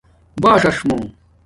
باݽݽ مُو